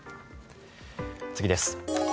次です。